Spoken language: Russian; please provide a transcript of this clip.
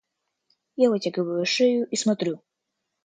Я вытягиваю шею и смотрю.